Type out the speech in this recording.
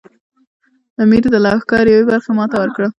د امیر د لښکر یوې برخې ماته وکړه.